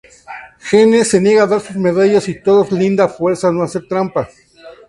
Gene se niega a dar sus medallas y todos Linda fuerzas no hacer trampa.